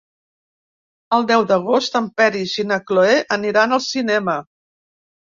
El deu d'agost en Peris i na Cloè aniran al cinema.